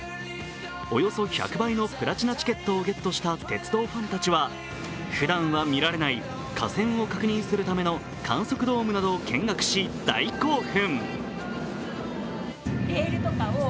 およそ１００倍のプラチナチケットをゲットした鉄道ファンたちはふだんは見られない架線を確認するための観測ドームなどを見学し大興奮。